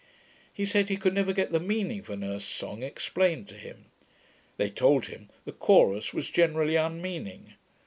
He said, he could never get the meaning of an Erse song explained to him. They told him, the chorus was generally unmeaning.